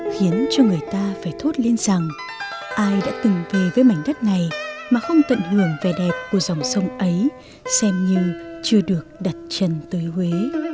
khiến cho người ta phải thốt lên rằng ai đã từng về với mảnh đất này mà không tận hưởng vẻ đẹp của dòng sông ấy xem như chưa được đặt chân tới huế